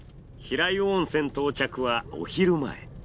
平湯温泉到着はお昼前。